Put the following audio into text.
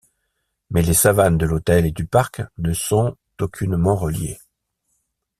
Mais les savanes de l'hôtel et du parc ne sont aucunement reliées.